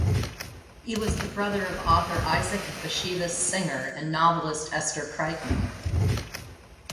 He was the brother of author Isaac Bashevis Singer and novelist Esther Kreitman.